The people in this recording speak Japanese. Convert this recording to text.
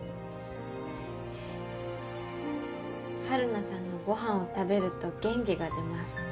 晴汝さんのご飯を食べると元気が出ます。